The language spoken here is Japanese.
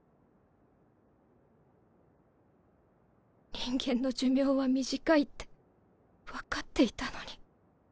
人間の寿命は短いって分かっていたのに。